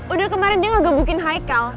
udah kemarin dia ngegabukin haikal